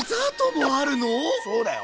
そうだよ。